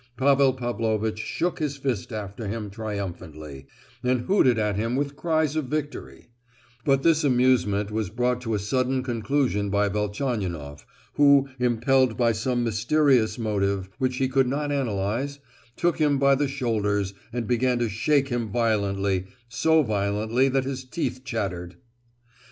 Pavel Pavlovitch shook his fist after him triumphantly, and hooted at him with cries of victory; but this amusement was brought to a sudden conclusion by Velchaninoff, who, impelled by some mysterious motive—which he could not analyse, took him by the shoulders, and began to shake him violently, so violently that his teeth chattered.